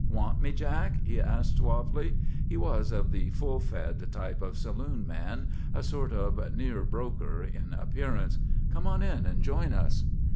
"Want me, Jack?" he asked, suavely. He was of the full fed type of saloon man, a sort of a near broker in appearance. "Come on in and join us."